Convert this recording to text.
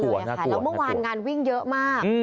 ใช่ค่ะแล้วเมื่อวานงานวิ่งเยอะมาก